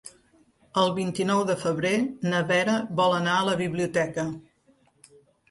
El vint-i-nou de febrer na Vera vol anar a la biblioteca.